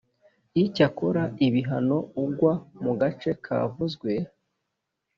Icyakora ibihano ugwa mu gace kavuzwe